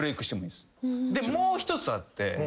でもう一つあって。